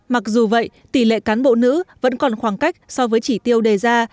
mặc dù vậy tỷ lệ cán bộ nữ vẫn còn khoảng cách so với chỉ tiêu đề ra